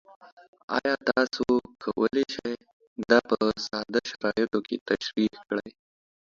ایا تاسو کولی شئ دا په ساده شرایطو کې تشریح کړئ؟